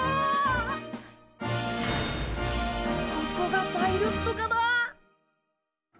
ここがパイロット科だ。